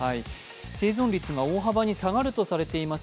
生存率が大幅に下がるといわれています